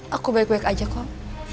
aku baik baik aja kok